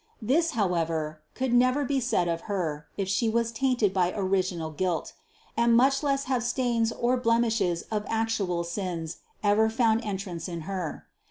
This, how ever, never could be said of Her, if She was tainted by original guilt ; and much less have stains or blemishes of actual sins ever found entrance in Her.